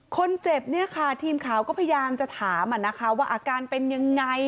คนเจ็บเนี่ยค่ะทีมข่าวก็พยายามจะถามว่าอาการเป็นยังไง